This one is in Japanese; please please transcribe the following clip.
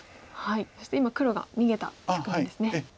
そして今黒が逃げた局面ですね。